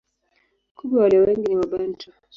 Kumbe walio wengi ni Wabantu.